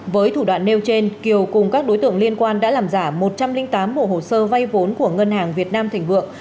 với thủ đoạn nêu trên kiều cùng các đối tượng liên quan đã làm giả một trăm linh tám bộ hồ sơ vay vốn của ngân hàng việt nam thịnh vượng